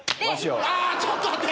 あちょっと待って！